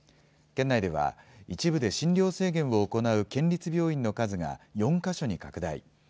県内では一部で診療制限を行う県立病院の数が４か所に拡大。